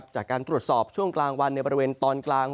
จากการตรวจสอบช่วงกลางวันในบริเวณตอนกลาง